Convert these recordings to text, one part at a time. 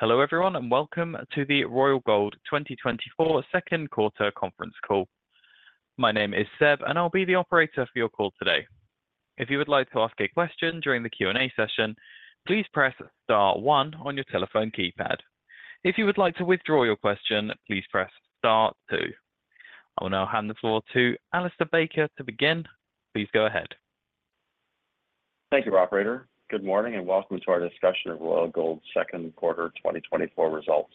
Hello, everyone, and welcome to the Royal Gold 2024 Second Quarter Conference Call. My name is Seb, and I'll be the operator for your call today. If you would like to ask a question during the Q&A session, please press star one on your telephone keypad. If you would like to withdraw your question, please press star two. I will now hand the floor to Alistair Baker to begin. Please go ahead. Thank you, operator. Good morning, and welcome to our discussion of Royal Gold's second quarter 2024 results.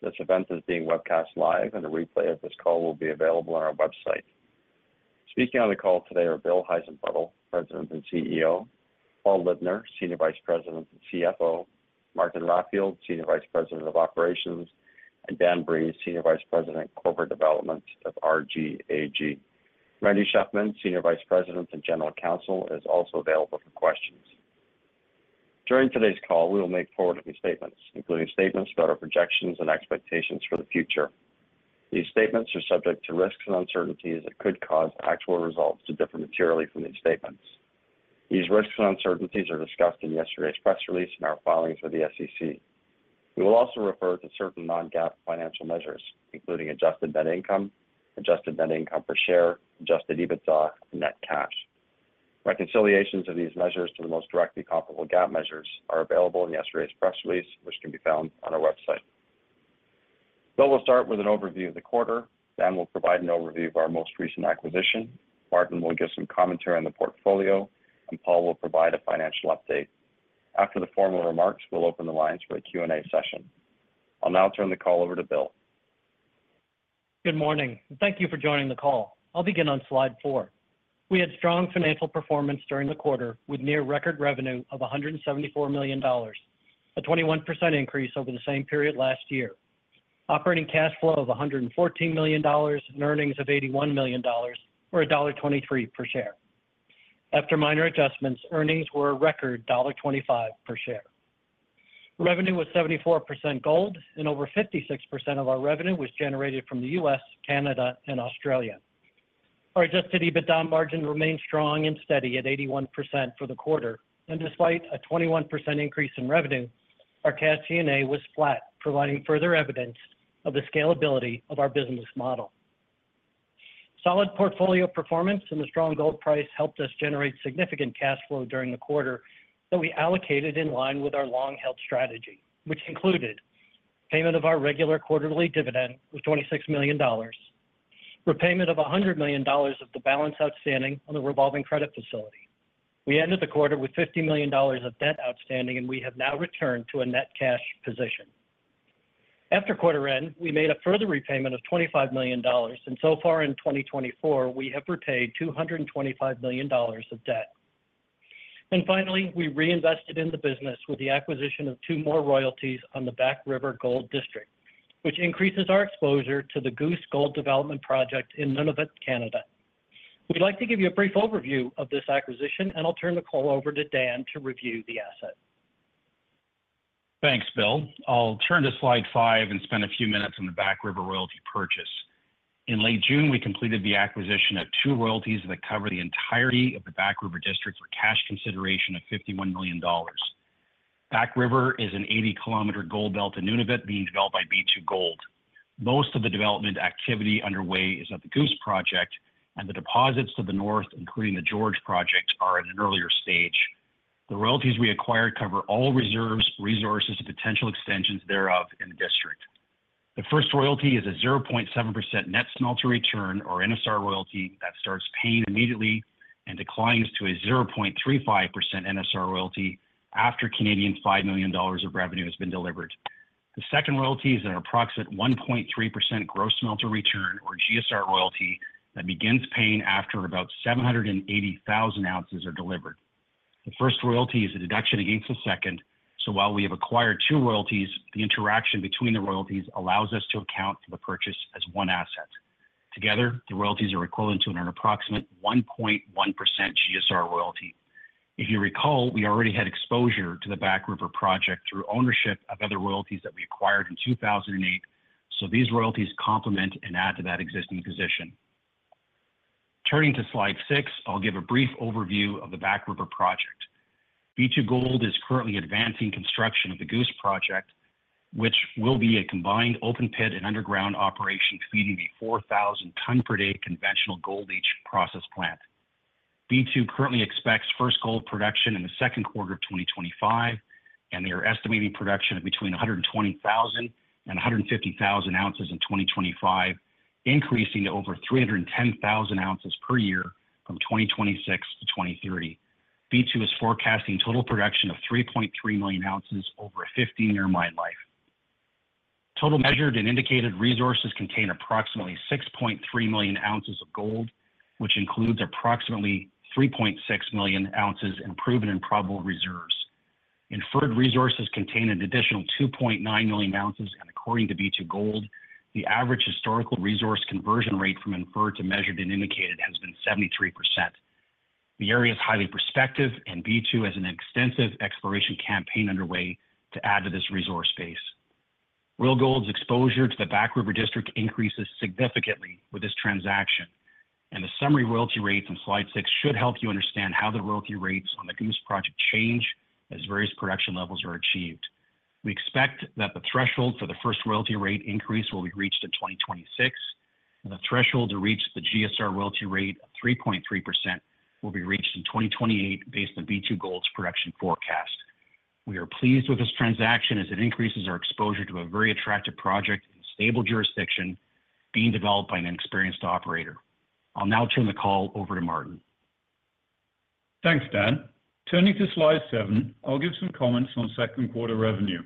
This event is being webcast live, and a replay of this call will be available on our website. Speaking on the call today are Bill Heissenbuttel, President and CEO, Paul Libner, Senior Vice President and CFO, Martin Raffield, Senior Vice President of Operations, and Dan Breeze, Senior Vice President, Corporate Development of Royal Gold. Randy Shefman, Senior Vice President and General Counsel, is also available for questions. During today's call, we will make forward-looking statements, including statements about our projections and expectations for the future. These statements are subject to risks and uncertainties that could cause actual results to differ materially from these statements. These risks and uncertainties are discussed in yesterday's press release and our filings with the SEC. We will also refer to certain non-GAAP financial measures, including adjusted net income, adjusted net income per share, adjusted EBITDA, and net cash. Reconciliations of these measures to the most directly comparable GAAP measures are available in yesterday's press release, which can be found on our website. Bill will start with an overview of the quarter, Dan will provide an overview of our most recent acquisition, Martin will give some commentary on the portfolio, and Paul will provide a financial update. After the formal remarks, we'll open the lines for a Q&A session. I'll now turn the call over to Bill. Good morning, and thank you for joining the call. I'll begin on Slide four. We had strong financial performance during the quarter, with near record revenue of $174 million, a 21% increase over the same period last year. Operating cash flow of $114 million, and earnings of $81 million, or $1.23 per share. After minor adjustments, earnings were a record $1.25 per share. Revenue was 74% gold, and over 56% of our revenue was generated from the U.S., Canada, and Australia. Our adjusted EBITDA margin remained strong and steady at 81% for the quarter, and despite a 21% increase in revenue, our cash G&A was flat, providing further evidence of the scalability of our business model. Solid portfolio performance and the strong gold price helped us generate significant cash flow during the quarter that we allocated in line with our long-held strategy, which included payment of our regular quarterly dividend of $26 million, repayment of $100 million of the balance outstanding on the revolving credit facility. We ended the quarter with $50 million of debt outstanding, and we have now returned to a net cash position. After quarter end, we made a further repayment of $25 million, and so far in 2024, we have repaid $225 million of debt. And finally, we reinvested in the business with the acquisition of two more royalties on the Back River Gold District, which increases our exposure to the Goose Gold Development Project in Nunavut, Canada. We'd like to give you a brief overview of this acquisition, and I'll turn the call over to Dan to review the asset. Thanks, Bill. I'll turn to Slide 5 and spend a few minutes on the Back River royalty purchase. In late June, we completed the acquisition of two royalties that cover the entirety of the Back River District for cash consideration of $51 million. Back River is an 80-kilometer gold belt in Nunavut being developed by B2Gold. Most of the development activity underway is at the Goose Project, and the deposits to the north, including the George Project, are at an earlier stage. The royalties we acquired cover all reserves, resources, and potential extensions thereof in the district. The first royalty is a 0.7% net smelter return, or NSR royalty, that starts paying immediately and declines to a 0.35% NSR royalty after 5 million Canadian dollars of revenue has been delivered. The second royalty is an approximate 1.3% gross smelter return, or GSR royalty, that begins paying after about 780,000 ounces are delivered. The first royalty is a deduction against the second, so while we have acquired two royalties, the interaction between the royalties allows us to account for the purchase as one asset. Together, the royalties are equivalent to an approximate 1.1% GSR royalty. If you recall, we already had exposure to the Back River project through ownership of other royalties that we acquired in 2008, so these royalties complement and add to that existing position. Turning to Slide 6, I'll give a brief overview of the Back River project. B2Gold is currently advancing construction of the Goose Project, which will be a combined open pit and underground operation feeding the 4,000 ton per day conventional gold leach process plant. B2 currently expects first gold production in the second quarter of 2025, and they are estimating production of between 120,000 and 150,000 ounces in 2025, increasing to over 310,000 ounces per year from 2026 to 2030. B2 is forecasting total production of 3.3 million ounces over a 15-year mine life. Total measured and indicated resources contain approximately 6.3 million ounces of gold, which includes approximately 3.6 million ounces in proven and probable reserves. Inferred resources contain an additional 2.9 million ounces, and according to B2Gold, the average historical resource conversion rate from inferred to measured and indicated has been 73%. The area is highly prospective, and B2 has an extensive exploration campaign underway to add to this resource base. Royal Gold's exposure to the Back River district increases significantly with this transaction. And the summary royalty rates on slide 6 should help you understand how the royalty rates on the Goose project change as various production levels are achieved. We expect that the threshold for the first royalty rate increase will be reached in 2026, and the threshold to reach the GSR royalty rate of 3.3% will be reached in 2028 based on B2Gold's production forecast. We are pleased with this transaction as it increases our exposure to a very attractive project and stable jurisdiction being developed by an experienced operator. I'll now turn the call over to Martin. Thanks, Dan. Turning to Slide seven, I'll give some comments on second quarter revenue.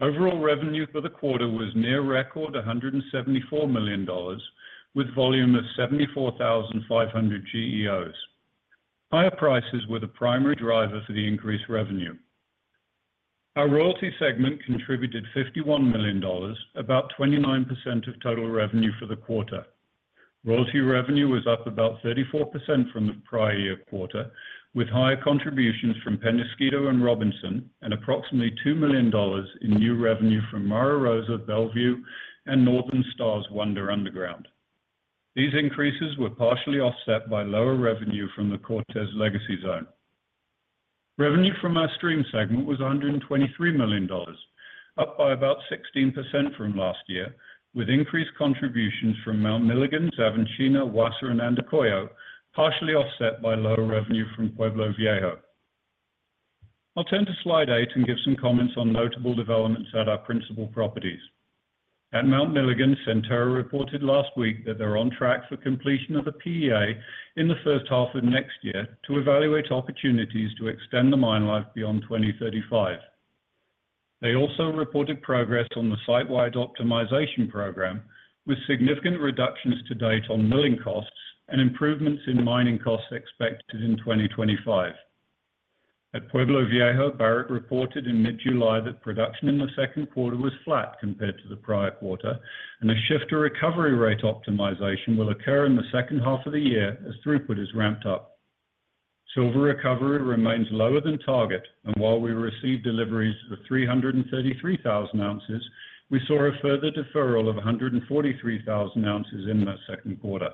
Overall revenue for the quarter was near record, $174 million, with volume of 74,500 GEOs. Higher prices were the primary driver for the increased revenue. Our royalty segment contributed $51 million, about 29% of total revenue for the quarter. Royalty revenue was up about 34% from the prior year quarter, with higher contributions from Peñasquito and Robinson, and approximately $2 million in new revenue from Mara Rosa, Bellevue, and Northern Star's Wonder Underground. These increases were partially offset by lower revenue from the Cortez Legacy zone. Revenue from our stream segment was $123 million, up by about 16% from last year, with increased contributions from Mount Milligan, Xavantina, Wassa, and Andacollo, partially offset by lower revenue from Pueblo Viejo. I'll turn to Slide 8 and give some comments on notable developments at our principal properties. At Mount Milligan, Centerra reported last week that they're on track for completion of a PEA in the first half of next year to evaluate opportunities to extend the mine life beyond 2035. They also reported progress on the site-wide optimization program, with significant reductions to date on milling costs and improvements in mining costs expected in 2025. At Pueblo Viejo, Barrick reported in mid-July that production in the second quarter was flat compared to the prior quarter, and a shift to recovery rate optimization will occur in the second half of the year as throughput is ramped up. Silver recovery remains lower than target, and while we received deliveries of 333,000 ounces, we saw a further deferral of 143,000 ounces in the second quarter.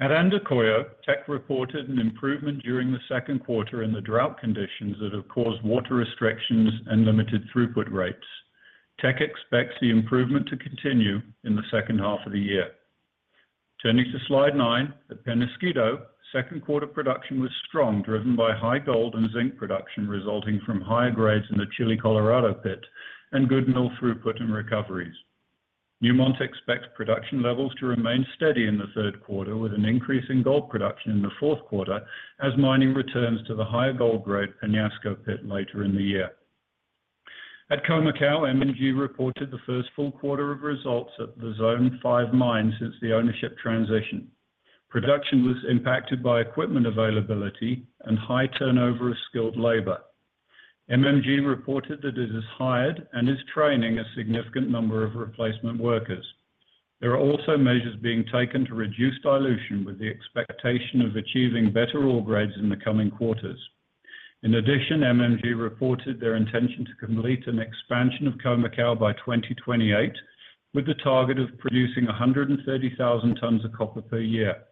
At Andacollo, Teck reported an improvement during the second quarter in the drought conditions that have caused water restrictions and limited throughput rates. Teck expects the improvement to continue in the second half of the year. Turning to Slide 9, at Peñasquito, second quarter production was strong, driven by high gold and zinc production, resulting from higher grades in the Chile Colorado pit and good mill throughput and recoveries. Newmont expects production levels to remain steady in the third quarter, with an increase in gold production in the fourth quarter as mining returns to the higher gold grade Peñasco pit later in the year. At Khoemacau, MMG reported the first full quarter of results at the Zone 5 mine since the ownership transition. Production was impacted by equipment availability and high turnover of skilled labor. MMG reported that it has hired and is training a significant number of replacement workers. There are also measures being taken to reduce dilution, with the expectation of achieving better ore grades in the coming quarters. In addition, MMG reported their intention to complete an expansion of Khoemacau by 2028, with the target of producing 130,000 tons of copper per year.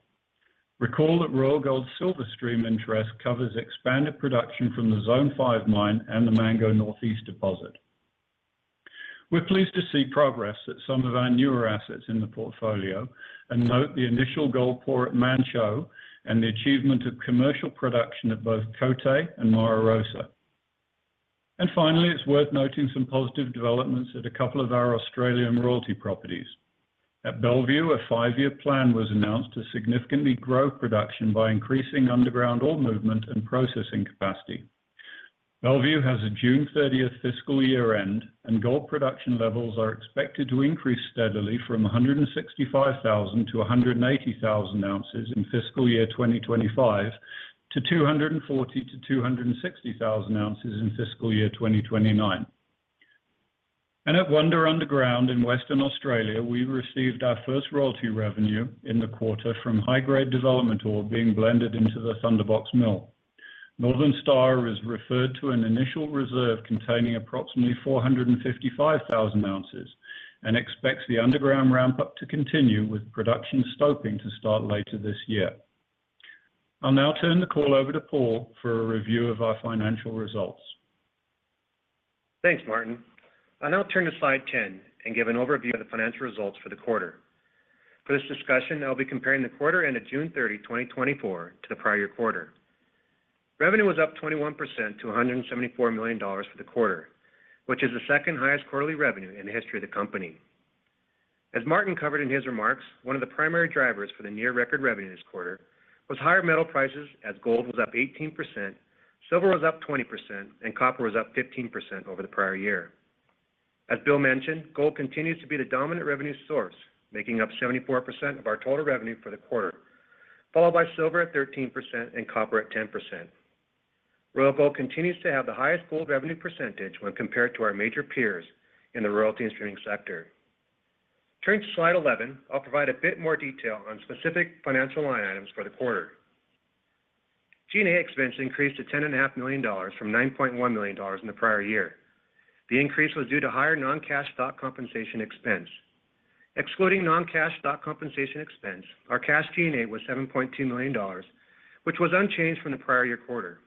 Recall that Royal Gold's silver stream interest covers expanded production from the Zone 5 mine and the Mango Northeast deposit. We're pleased to see progress at some of our newer assets in the portfolio and note the initial gold pour at Manh Choh and the achievement of commercial production at both Côté and Mara Rosa. Finally, it's worth noting some positive developments at a couple of our Australian royalty properties. At Bellevue, a five-year plan was announced to significantly grow production by increasing underground ore movement and processing capacity. Bellevue has a June 30 fiscal year-end, and gold production levels are expected to increase steadily from 165,000 to 180,000 ounces in fiscal year 2025, to 240,000-260,000 ounces in fiscal year 2029. At Wonder Underground in Western Australia, we received our first royalty revenue in the quarter from high-grade development ore being blended into the Thunderbox mill. Northern Star has referred to an initial reserve containing approximately 455,000 ounces and expects the underground ramp-up to continue, with production stoping to start later this year. I'll now turn the call over to Paul for a review of our financial results. Thanks, Martin. I'll now turn to Slide 10 and give an overview of the financial results for the quarter. For this discussion, I'll be comparing the quarter end of June 30, 2024, to the prior quarter. Revenue was up 21% to $174 million for the quarter, which is the second highest quarterly revenue in the history of the company. As Martin covered in his remarks, one of the primary drivers for the near record revenue this quarter was higher metal prices, as gold was up 18%, silver was up 20%, and copper was up 15% over the prior year. As Bill mentioned, gold continues to be the dominant revenue source, making up 74% of our total revenue for the quarter, followed by silver at 13% and copper at 10%. Royal Gold continues to have the highest gold revenue percentage when compared to our major peers in the royalty and streaming sector. Turning to Slide 11, I'll provide a bit more detail on specific financial line items for the quarter. G&A expense increased to $10.5 million from $9.1 million in the prior year. The increase was due to higher non-cash stock compensation expense. Excluding non-cash stock compensation expense, our cash G&A was $7.2 million, which was unchanged from the prior year quarter.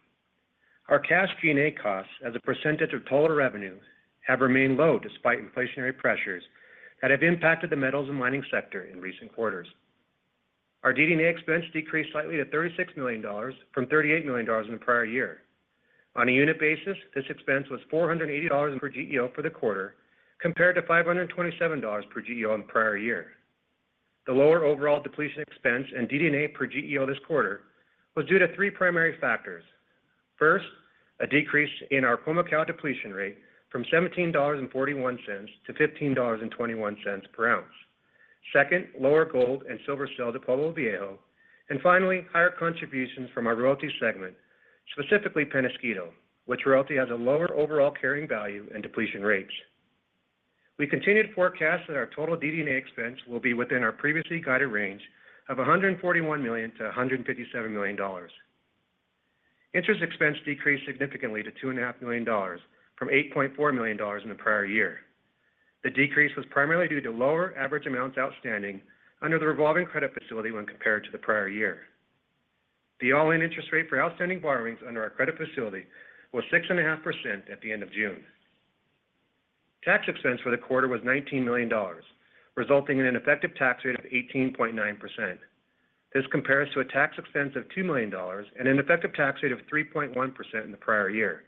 Our cash G&A costs, as a percentage of total revenue, have remained low despite inflationary pressures that have impacted the metals and mining sector in recent quarters. Our DD&A expense decreased slightly to $36 million from $38 million in the prior year. On a unit basis, this expense was $480 per GEO for the quarter, compared to $527 per GEO in the prior year. The lower overall depletion expense and DD&A per GEO this quarter was due to three primary factors. First, a decrease in our Mount Milligan depletion rate from $17.41 to $15.21 per ounce. Second, lower gold and silver sale to Pueblo Viejo, and finally, higher contributions from our royalty segment, specifically Peñasquito, which royalty has a lower overall carrying value and depletion rates. We continue to forecast that our total DD&A expense will be within our previously guided range of $141 million-$157 million. Interest expense decreased significantly to $2.5 million from $8.4 million in the prior year. The decrease was primarily due to lower average amounts outstanding under the revolving credit facility when compared to the prior year. The all-in interest rate for outstanding borrowings under our credit facility was 6.5% at the end of June. Tax expense for the quarter was $19 million, resulting in an effective tax rate of 18.9%. This compares to a tax expense of $2 million and an effective tax rate of 3.1% in the prior year.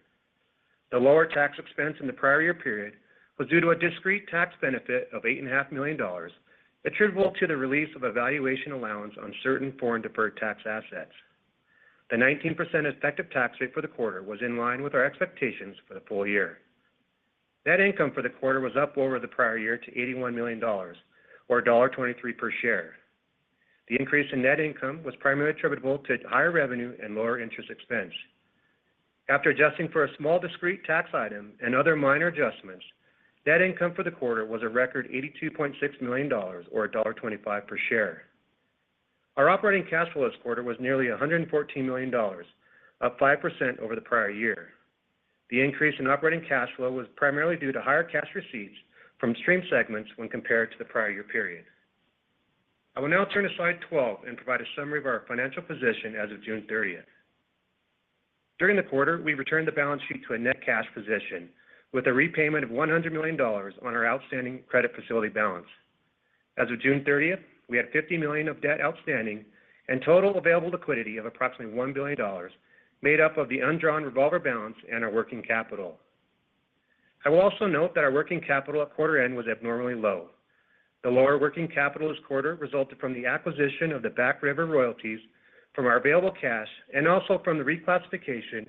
The lower tax expense in the prior year period was due to a discrete tax benefit of $8.5 million, attributable to the release of a valuation allowance on certain foreign deferred tax assets. The 19% effective tax rate for the quarter was in line with our expectations for the full year. Net income for the quarter was up over the prior year to $81 million, or $1.23 per share. The increase in net income was primarily attributable to higher revenue and lower interest expense. After adjusting for a small discrete tax item and other minor adjustments, net income for the quarter was a record $82.6 million or $1.25 per share. Our operating cash flow this quarter was nearly $114 million, up 5% over the prior year. The increase in operating cash flow was primarily due to higher cash receipts from stream segments when compared to the prior year period. I will now turn to Slide 12 and provide a summary of our financial position as of June 30. During the quarter, we returned the balance sheet to a net cash position with a repayment of $100 million on our outstanding credit facility balance. As of June 30, we had $50 million of debt outstanding and total available liquidity of approximately $1 billion, made up of the undrawn revolver balance and our working capital. I will also note that our working capital at quarter end was abnormally low. The lower working capital this quarter resulted from the acquisition of the Back River royalties from our available cash, and also from the reclassification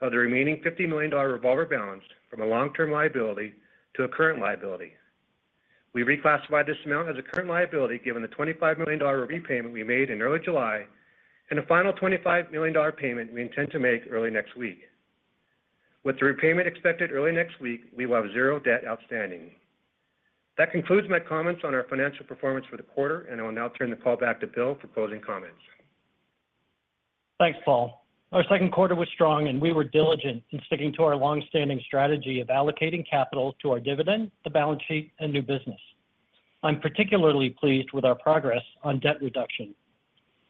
of the remaining $50 million revolver balance from a long-term liability to a current liability. We reclassified this amount as a current liability, given the $25 million repayment we made in early July, and a final $25 million payment we intend to make early next week. With the repayment expected early next week, we will have zero debt outstanding. That concludes my comments on our financial performance for the quarter, and I will now turn the call back to Bill for closing comments. Thanks, Paul. Our second quarter was strong, and we were diligent in sticking to our long-standing strategy of allocating capital to our dividend, the balance sheet, and new business. I'm particularly pleased with our progress on debt reduction.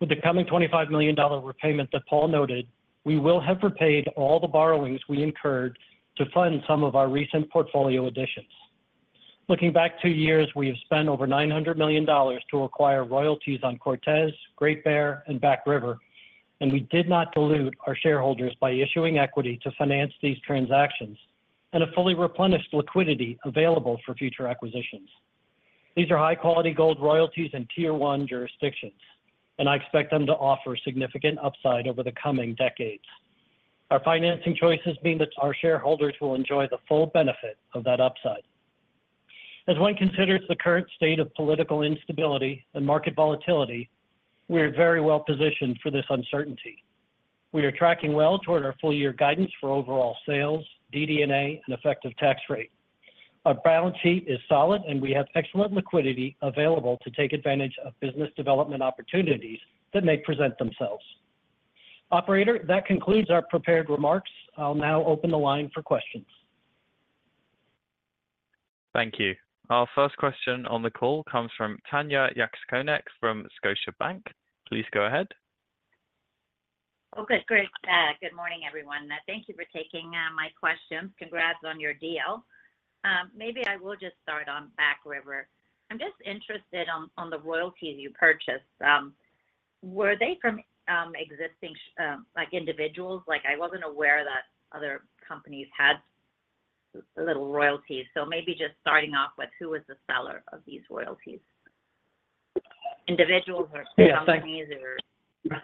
With the coming $25 million repayment that Paul noted, we will have repaid all the borrowings we incurred to fund some of our recent portfolio additions. Looking back two years, we have spent over $900 million to acquire royalties on Cortez, Great Bear, and Back River, and we did not dilute our shareholders by issuing equity to finance these transactions, and have fully replenished liquidity available for future acquisitions. These are high-quality gold royalties in Tier One jurisdictions, and I expect them to offer significant upside over the coming decades. Our financing choices mean that our shareholders will enjoy the full benefit of that upside. As one considers the current state of political instability and market volatility, we are very well positioned for this uncertainty. We are tracking well toward our full year guidance for overall sales, DD&A, and effective tax rate. Our balance sheet is solid, and we have excellent liquidity available to take advantage of business development opportunities that may present themselves. Operator, that concludes our prepared remarks. I'll now open the line for questions. Thank you. Our first question on the call comes from Tanya Jakusconek from Scotiabank. Please go ahead. Okay, great. Good morning, everyone. Thank you for taking my questions. Congrats on your deal. Maybe I will just start on Back River. I'm just interested on the royalties you purchased. Were they from existing, like, individuals? Like, I wasn't aware that other companies had a little royalties, so maybe just starting off with who was the seller of these royalties? Individuals or companies or-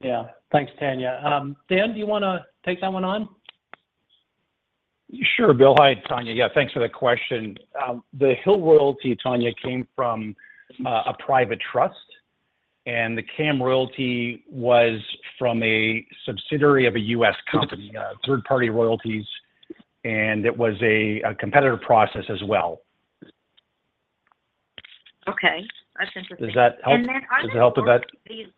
Yeah. Thanks, Tanya. Dan, do you want to take that one on? Sure, Bill. Hi, Tanya. Yeah, thanks for the question. The Hill Royalty, Tanya, came from a private trust, and the KM Royalty was from a subsidiary of a U.S. company, third-party royalties, and it was a competitive process as well. Okay, that's interesting. Does that help? And then, are there more of these? Does it help a bit?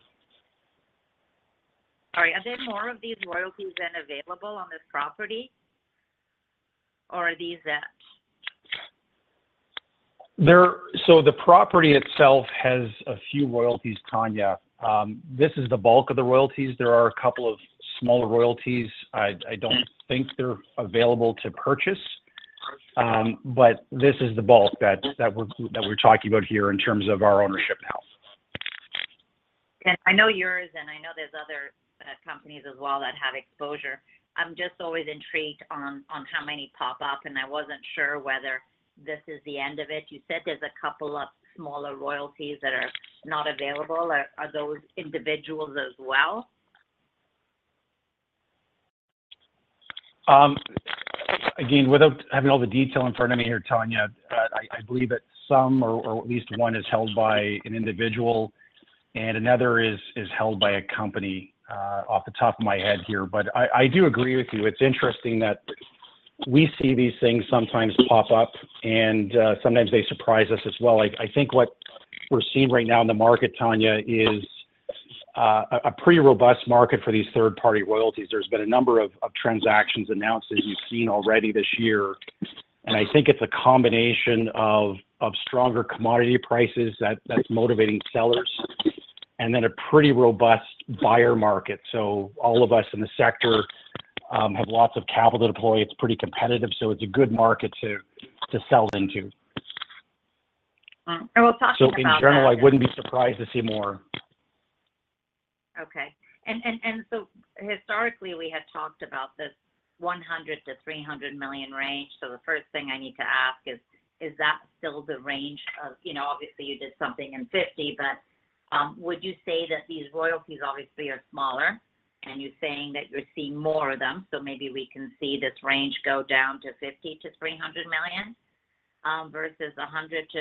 Sorry, are there more of these royalties than available on this property, or are these it? So the property itself has a few royalties, Tanya. This is the bulk of the royalties. There are a couple of smaller royalties. I don't think they're available to purchase, but this is the bulk that we're talking about here in terms of our ownership now. I know yours, and I know there's other companies as well that have exposure. I'm just always intrigued on how many pop up, and I wasn't sure whether this is the end of it. You said there's a couple of smaller royalties that are not available. Are those individuals as well? Again, without having all the detail in front of me here, Tanya, I believe that some or at least one is held by an individual, and another is held by a company, off the top of my head here. But I do agree with you. It's interesting that we see these things sometimes pop up, and sometimes they surprise us as well. I think what we're seeing right now in the market, Tanya, is a pretty robust market for these third-party royalties. There's been a number of transactions announced, as you've seen already this year. And I think it's a combination of stronger commodity prices that's motivating sellers, and then a pretty robust buyer market. So all of us in the sector have lots of capital to deploy. It's pretty competitive, so it's a good market to, to sell into. We'll talk about that. So in general, I wouldn't be surprised to see more. Okay. So historically, we had talked about this $100 million-$300 million range. So the first thing I need to ask is, is that still the range of... You know, obviously, you did something in $50 million, but would you say that these royalties obviously are smaller, and you're saying that you're seeing more of them, so maybe we can see this range go down to $50 million-$300 million versus $100-$300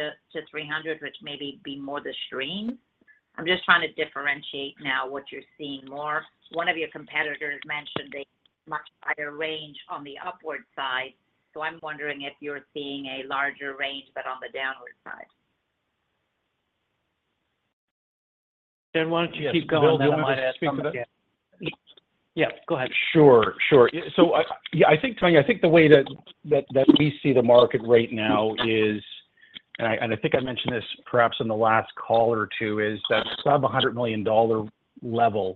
million, which may be more the stream? I'm just trying to differentiate now what you're seeing more. One of your competitors mentioned a much higher range on the upward side, so I'm wondering if you're seeing a larger range, but on the downward side. Dan, why don't you keep going, and then I might add something? Yeah, go ahead. Sure, sure. So I, yeah, I think, Tanya, I think the way that we see the market right now is, and I think I mentioned this perhaps in the last call or two, is that above $100 million level,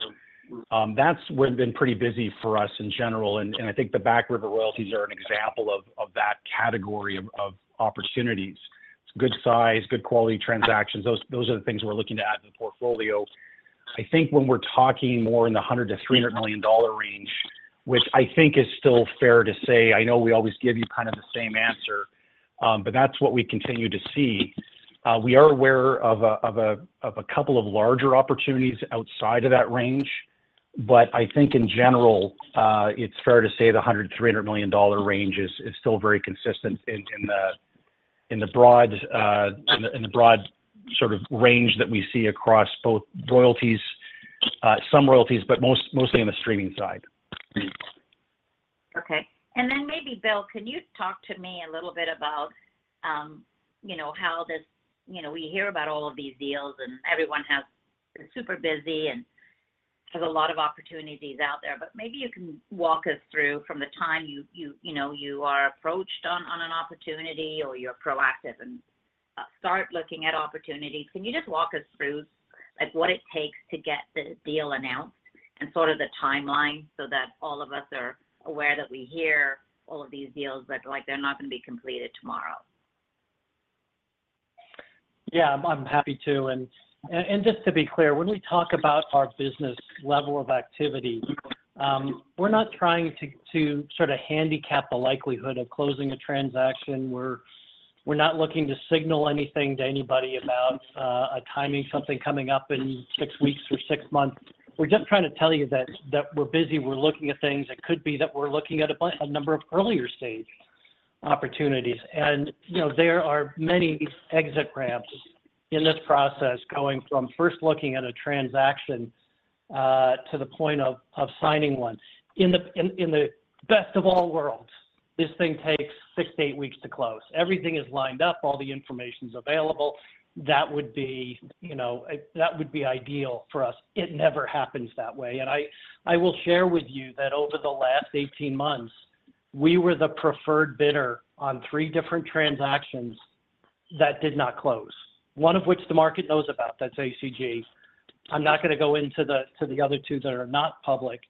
that's where it's been pretty busy for us in general. And I think the Back River royalties are an example of that category of opportunities. It's good size, good quality transactions. Those are the things we're looking to add in the portfolio. I think when we're talking more in the $100-$300 million range, which I think is still fair to say, I know we always give you kind of the same answer, but that's what we continue to see. We are aware of a couple of larger opportunities outside of that range. But I think in general, it's fair to say the $100 million-$300 million range is still very consistent in the broad sort of range that we see across both royalties, some royalties, but mostly on the streaming side. Okay. And then maybe, Bill, can you talk to me a little bit about, you know, how this... You know, we hear about all of these deals, and everyone has been super busy and has a lot of opportunities out there. But maybe you can walk us through from the time you know you are approached on an opportunity or you're proactive and start looking at opportunities. Can you just walk us through, like, what it takes to get the deal announced and sort of the timeline so that all of us are aware that we hear all of these deals, but, like, they're not going to be completed tomorrow? Yeah, I'm happy to. And just to be clear, when we talk about our business level of activity, we're not trying to sort of handicap the likelihood of closing a transaction. We're not looking to signal anything to anybody about a timing, something coming up in 6 weeks or 6 months. We're just trying to tell you that we're busy, we're looking at things. It could be that we're looking at a number of earlier stage opportunities. And, you know, there are many exit ramps in this process, going from first looking at a transaction to the point of signing one. In the best of all worlds, this thing takes 6-8 weeks to close. Everything is lined up, all the information's available. That would be, you know, that would be ideal for us. It never happens that way. I will share with you that over the last 18 months, we were the preferred bidder on 3 different transactions that did not close. One of which the market knows about, that's ACG. I'm not gonna go into the, to the other two that are not public.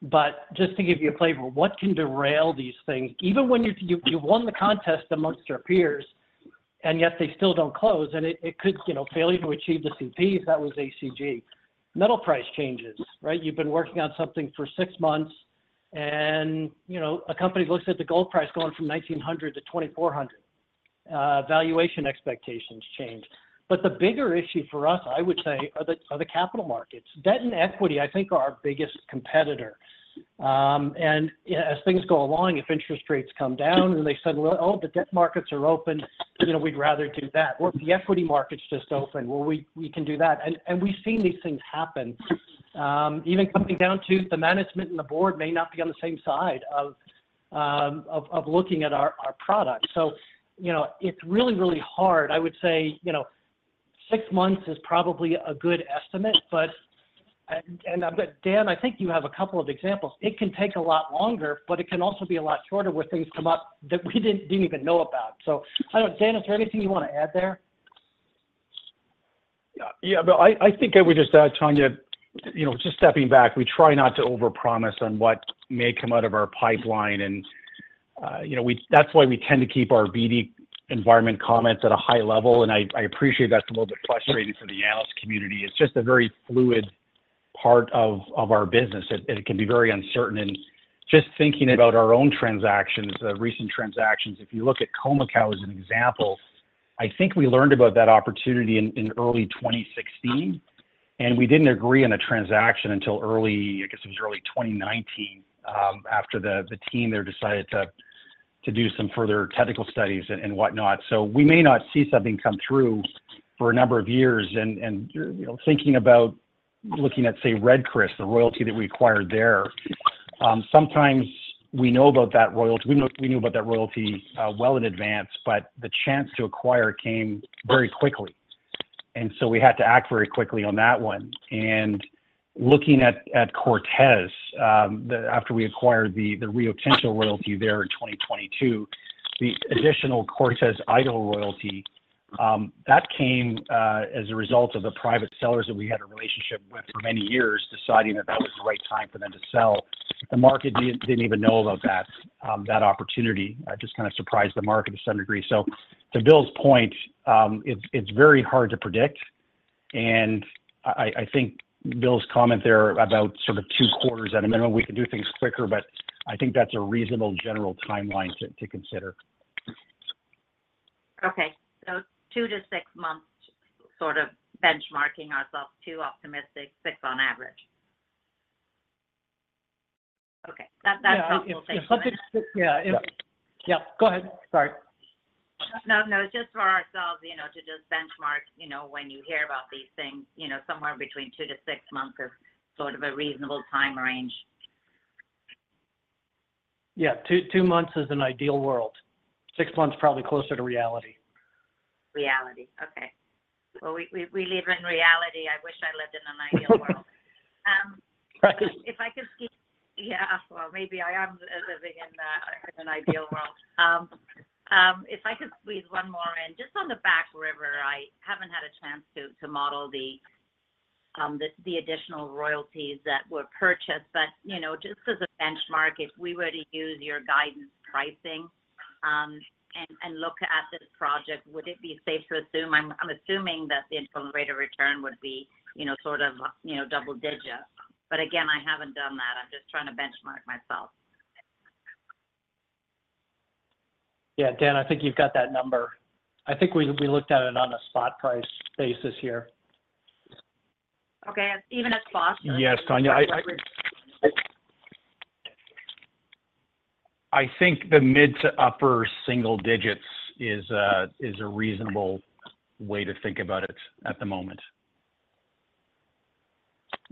But just to give you a flavor, what can derail these things, even when you won the contest amongst your peers, and yet they still don't close, and it could, you know, failure to achieve the CPs, that was ACG. Metal price changes, right? You've been working on something for 6 months, and, you know, a company looks at the gold price going from $1,900 to $2,400. Valuation expectations change. But the bigger issue for us, I would say, are the capital markets. Debt and equity, I think, are our biggest competitor. And, you know, as things go along, if interest rates come down and they said, "Well, oh, the debt markets are open," you know, we'd rather do that. Or if the equity markets just opened, well, we can do that. And we've seen these things happen. Even coming down to the management and the board may not be on the same side of looking at our products. So, you know, it's really, really hard. I would say, you know, six months is probably a good estimate, but Dan, I think you have a couple of examples. It can take a lot longer, but it can also be a lot shorter, where things come up that we didn't, didn't even know about. So I don't. Dan, is there anything you want to add there? Yeah, but I think I would just add, Tanya, you know, just stepping back, we try not to overpromise on what may come out of our pipeline. And, you know, we-- that's why we tend to keep our BD environment comments at a high level, and I appreciate that's a little bit frustrating for the analyst community. It's just a very fluid part of our business, and it can be very uncertain. And just thinking about our own transactions, recent transactions, if you look at Khoemacau as an example, I think we learned about that opportunity in early 2016, and we didn't agree on a transaction until early, I guess, it was early 2019, after the team there decided to do some further technical studies and whatnot. So we may not see something come through for a number of years. You know, thinking about looking at, say, Red Chris, the royalty that we acquired there, sometimes we know about that royalty. We knew, we knew about that royalty, well in advance, but the chance to acquire it came very quickly, and so we had to act very quickly on that one. Looking at Cortez, after we acquired the Rio Tinto royalty there in 2022, the additional Cortez Idaho royalty that came as a result of the private sellers that we had a relationship with for many years, deciding that that was the right time for them to sell. The market didn't even know about that opportunity. Just kind of surprised the market to some degree. So to Bill's point, it's very hard to predict, and I think Bill's comment there about sort of two quarters at a minimum, we can do things quicker, but I think that's a reasonable general timeline to consider. Okay. So 2-6 months, sort of benchmarking ourselves, 2 optimistic, 6 on average. Okay, that, that's helpful. Yeah. Yeah, go ahead, sorry. No, no, just for ourselves, you know, to just benchmark, you know, when you hear about these things, you know, somewhere between 2-6 months is sort of a reasonable time range. Yeah, 2, 2 months is an ideal world. 6 months, probably closer to reality. Reality, okay. Well, we live in reality. I wish I lived in an ideal world. Right. If I could... Yeah, well, maybe I am living in a, in an ideal world. If I could squeeze one more in, just on the Back River, I haven't had a chance to model the additional royalties that were purchased. But, you know, just as a benchmark, if we were to use your guidance pricing, and look at this project, would it be safe to assume... I'm assuming that the internal rate of return would be, you know, sort of, you know, double digit. But again, I haven't done that. I'm just trying to benchmark myself. Yeah, Dan, I think you've got that number. I think we looked at it on a spot price basis here. Okay, even at spot price. Yes, Tanya, I think the mid to upper single digits is a reasonable way to think about it at the moment.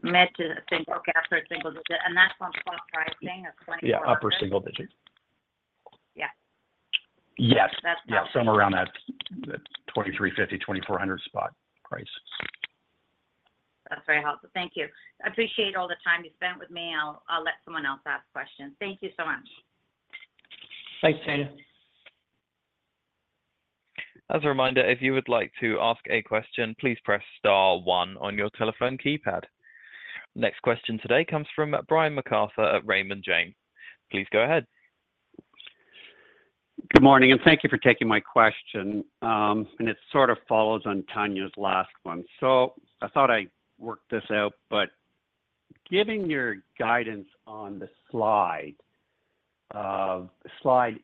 Mid to the single, okay, upper single digit. And that's on spot pricing of 20- Yeah, upper single digit. Yeah. Yes. That's- Yeah, somewhere around that, that $2,350-$2,400 spot price. That's very helpful. Thank you. I appreciate all the time you spent with me. I'll, I'll let someone else ask questions. Thank you so much. Thanks, Tanya. As a reminder, if you would like to ask a question, please press star one on your telephone keypad. Next question today comes from Brian MacArthur at Raymond James. Please go ahead. Good morning, and thank you for taking my question. And it sort of follows on Tanya's last one. So I thought I worked this out, but given your guidance on the slide, Slide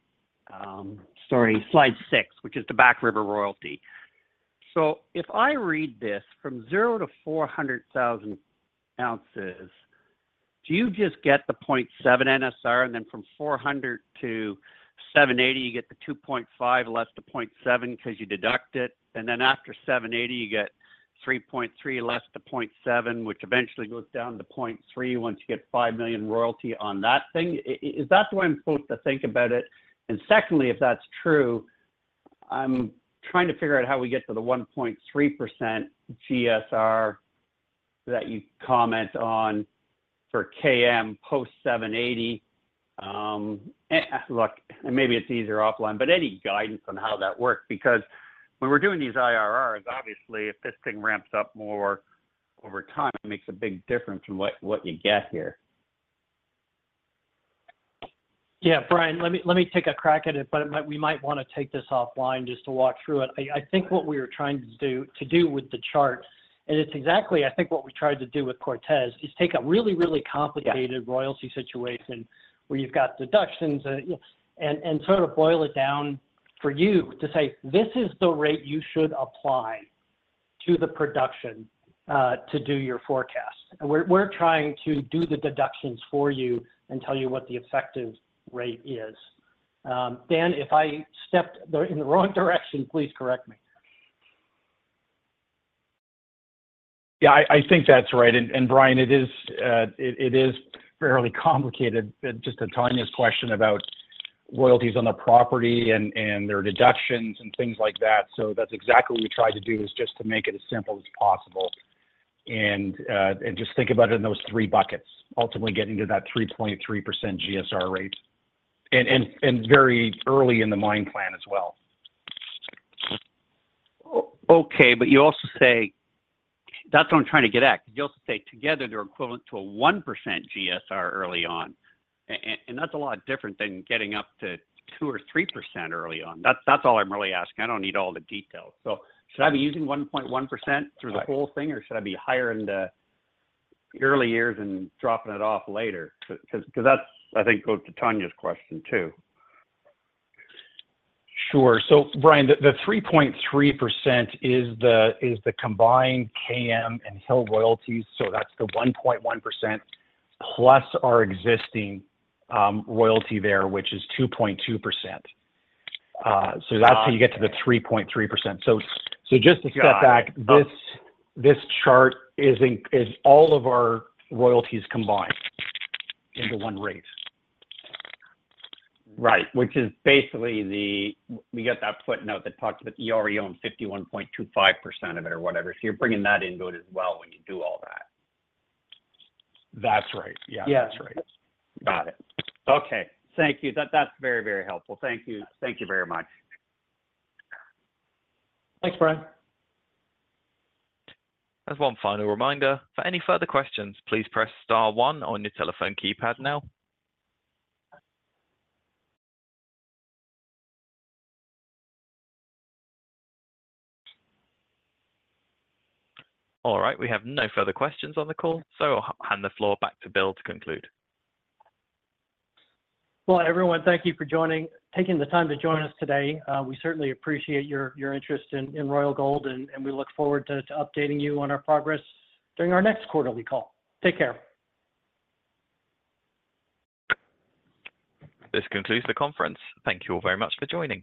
six, which is the Back River royalty. So if I read this from 0 to 400,000 ounces, do you just get the 0.7% NSR, and then from 400,000 to 780,000, you get the 2.5% less 0.7% because you deduct it, and then after 780,000, you get 3.3% less 0.7%, which eventually goes down to 0.3%, once you get 5 million royalty on that thing? Is that the way I'm supposed to think about it? Secondly, if that's true, I'm trying to figure out how we get to the 1.3% GSR that you comment on for KM post-780. Look, maybe it's easier offline, but any guidance on how that works? Because when we're doing these IRRs, obviously, if this thing ramps up more over time, it makes a big difference from what you get here. Yeah, Brian, let me take a crack at it, but it might-- we might want to take this offline just to walk through it. I think what we were trying to do with the chart, and it's exactly, I think, what we tried to do with Cortez, is take a really, really complicated- Yeah royalty situation, where you've got deductions and sort of boil it down for you to say, "This is the rate you should apply to the production to do your forecast." And we're trying to do the deductions for you and tell you what the effective rate is. Dan, if I stepped in the wrong direction, please correct me. Yeah, I think that's right. And Brian, it is fairly complicated, but just to Tanya's question about royalties on the property and their deductions and things like that. So that's exactly what we tried to do, is just to make it as simple as possible. And just think about it in those three buckets, ultimately getting to that 3.3% GSR rate, and very early in the mine plan as well. Okay, but you also say... That's what I'm trying to get at, because you also say together they're equivalent to a 1% GSR early on, and that's a lot different than getting up to 2% or 3% early on. That's all I'm really asking. I don't need all the details. So should I be using 1.1% through the whole thing, or should I be higher in the early years and dropping it off later? Because that's, I think, goes to Tanya's question, too. Sure. So Brian, the 3.3% is the combined KM and Hill royalties, so that's the 1.1%, plus our existing royalty there, which is 2.2%. So that's how you get to the 3.3%. Got it. So just to step back, this chart is all of our royalties combined into one rate. Right, which is basically the, we get that footnote that talks about you already own 51.25% of it or whatever. So you're bringing that into it as well when you do all that. That's right. Yeah. That's right. Got it. Okay, thank you. That, that's very, very helpful. Thank you. Thank you very much. Thanks, Brian. As one final reminder, for any further questions, please press star one on your telephone keypad now. All right, we have no further questions on the call, so I'll hand the floor back to Bill to conclude. Well, everyone, thank you for joining, taking the time to join us today. We certainly appreciate your interest in Royal Gold, and we look forward to updating you on our progress during our next quarterly call. Take care. This concludes the conference. Thank you all very much for joining.